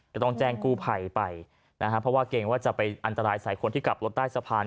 ก็ต้องแจ้งกู้ภัยไปนะฮะเพราะว่าเกรงว่าจะไปอันตรายใส่คนที่ขับรถใต้สะพาน